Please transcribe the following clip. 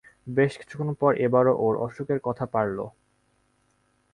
বেশ কিছুক্ষণ পর এবার ও ওর অসুখের কথা পাড়ল।